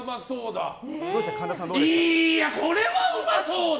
これはうまそうだ。